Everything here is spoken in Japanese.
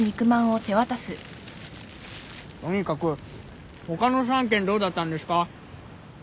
とにかく他の３件どうだったんですか？